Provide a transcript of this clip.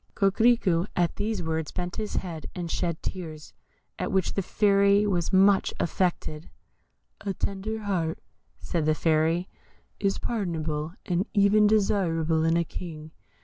Coquerico at these words bent his head and shed tears, at which the Fairy was much affected. "A tender heart," said the Fairy, "is pardonable, and even desirable in a King.